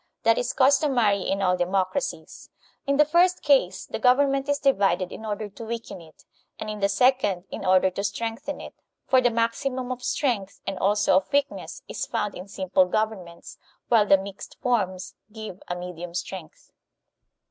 That is customary in all democracies. In the first case the government is divided in order to weaken it, and in the second in order to strengthen it; for the maximtmi of strength and also of weakness is found in simple governments, while the mixed forms give a medium strength.